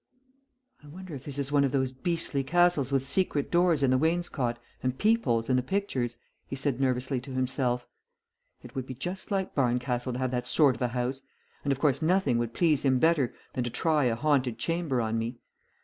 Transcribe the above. "I wonder if this is one of those beastly castles with secret doors in the wainscot and peep holes in the pictures," he said nervously to himself. "It would be just like Barncastle to have that sort of a house, and of course nothing would please him better than to try a haunted chamber on me.